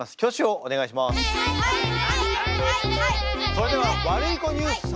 それではワルイコニュース様。